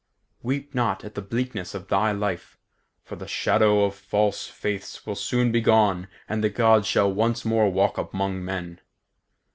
Weep not at the bleakness of thy life, for the shadow of false faiths will soon be gone, and the Gods shall once more walk among men.